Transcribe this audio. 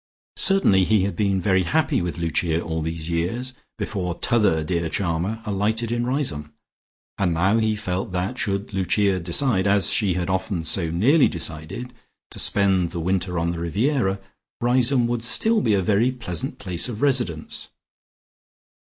Certainly he had been very happy with Lucia all these years, before t'other dear charmer alighted in Riseholme, and now he felt that should Lucia decide, as she had often so nearly decided, to spend the winter on the Riviera, Riseholme would still be a very pleasant place of residence.